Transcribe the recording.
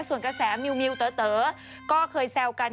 ส่วนกระแสมิวเต๋อก็เคยแซวกัน